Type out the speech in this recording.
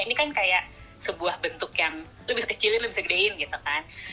ini kan kayak sebuah bentuk yang lo bisa kecilin lo bisa gedein gitu kan